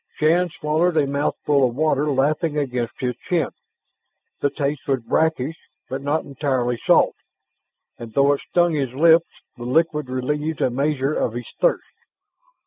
Shann swallowed a mouthful of the water lapping against his chin. The taste was brackish, but not entirely salt, and though it stung his lips, the liquid relieved a measure of his thirst.